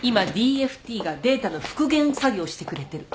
今ＤＦＴがデータの復元作業してくれてる。